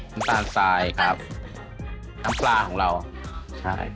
น้ำตาลทรายครับน้ำปลาของเราใช่